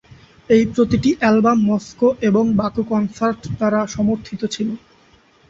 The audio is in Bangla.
এই প্রতিটি অ্যালবাম মস্কো এবং বাকু কনসার্ট দ্বারা সমর্থিত ছিল।